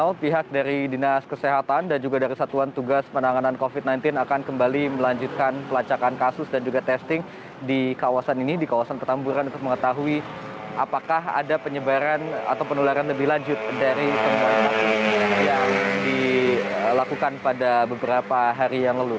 atau pihak dari dinas kesehatan dan juga dari satuan tugas penanganan covid sembilan belas akan kembali melanjutkan pelacakan kasus dan juga testing di kawasan ini di kawasan petamburan untuk mengetahui apakah ada penyebaran atau penularan lebih lanjut dari temuan yang dilakukan pada beberapa hari yang lalu